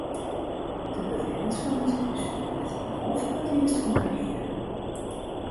De bewenners fan it hús litte no foar it earst fan har hearre.